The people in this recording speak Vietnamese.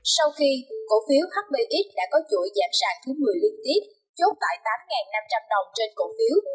sau khi cổ phiếu hpx đã có chuỗi giảm sàng thứ một mươi liên tiếp chốt tải tám năm trăm linh đồng trên cổ phiếu